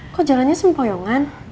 kok jalannya sempoyongan